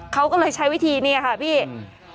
เขาก็เลยใช้วิธีเนี่ยค่ะพี่